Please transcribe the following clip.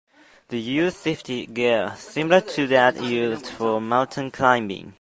They use safety gear similar to that used for mountain climbing.